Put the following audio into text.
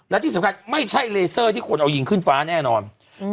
และที่สำคัญไม่ใช่เลเซอร์ที่คนเอายิงขึ้นฟ้าแน่นอน